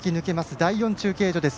第４中継所です。